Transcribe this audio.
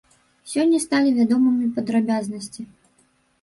Сёння сталі вядомымі падрабязнасці.